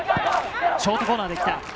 ショートコーナーで来た。